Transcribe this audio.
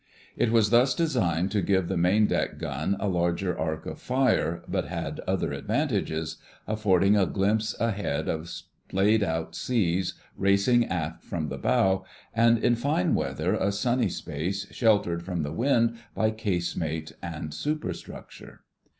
It was thus designed to give the main deck gun a larger arc of fire, but had other advantages—affording a glimpse ahead of splayed out seas racing aft from the bow, and in fine weather a sunny space sheltered from the wind by casemate and superstructure.